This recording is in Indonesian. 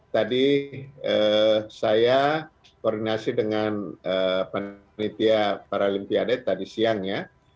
tadi saya koordinasi dengan penelitian paralimpiade tadi siang ya